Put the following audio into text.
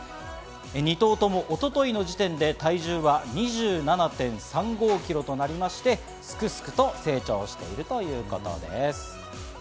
２頭とも一昨日の時点で体重は２７．３５キロとなりまして、すくすくと成長しているということです。